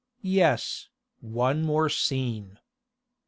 Yes, one more scene.